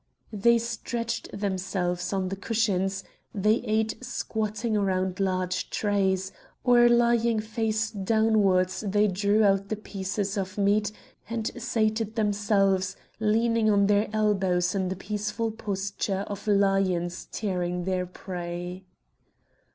They stretched themselves on the cushions, they ate squatting round large trays, or lying face downwards they drew out the pieces of meat and sated themselves, leaning on their elbows in the peaceful posture of lions tearing their prey.